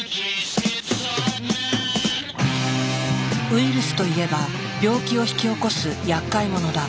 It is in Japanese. ウイルスといえば病気を引き起こすやっかい者だ。